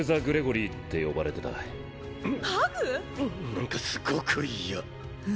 なんかすごくイヤ！